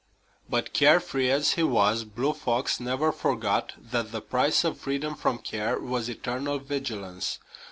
But care free as he was, Blue Fox never forgot that the price of freedom from care was eternal vigilance.